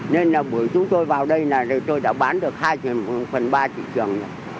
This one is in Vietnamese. nên là bữa chúng tôi vào đây là đảm bảo cho chất lượng rồi thì vào đây là đầu tháng một mươi một âm lịch